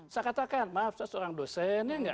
saya katakan maaf saya seorang dosen ya enggak